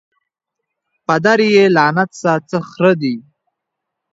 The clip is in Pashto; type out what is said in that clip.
پدر یې لعنت سه څه خره دي